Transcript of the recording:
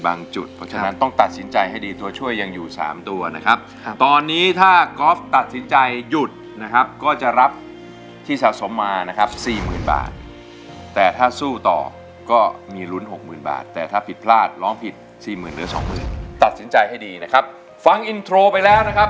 คุณแม่รู้สึกยังไงคุณแม่รู้สึกยังไงคุณแม่รู้สึกยังไงคุณแม่รู้สึกยังไงคุณแม่รู้สึกยังไงคุณแม่รู้สึกยังไงคุณแม่รู้สึกยังไงคุณแม่รู้สึกยังไงคุณแม่รู้สึกยังไงคุณแม่รู้สึกยังไงคุณแม่รู้สึกยังไงคุณแม่รู้สึกยังไงคุณแม่รู้สึกยังไง